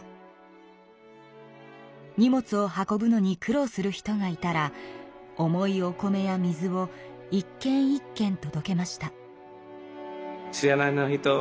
荷物を運ぶのに苦労する人がいたら重いお米や水をいっけんいっけんとどけました。